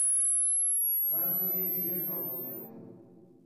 رنګ یې ژېړ اوښتی و.